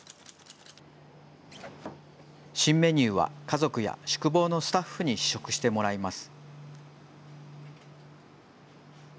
新メニューは家族や宿坊のスタッフに試食してもらいます。